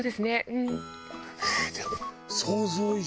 うん。